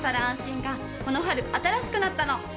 安心がこの春新しくなったの！